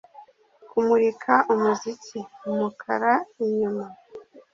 kumurika umuziki! umukara-inyuma